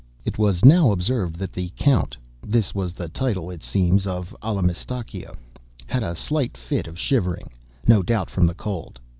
It was now observed that the Count (this was the title, it seems, of Allamistakeo) had a slight fit of shivering—no doubt from the cold.